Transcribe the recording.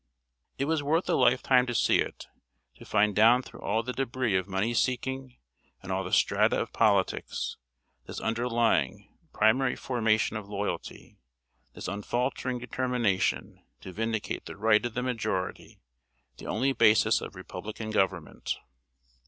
It was worth a lifetime to see it to find down through all the débris of money seeking, and all the strata of politics, this underlying, primary formation of loyalty this unfaltering determination to vindicate the right of the majority, the only basis of republican government.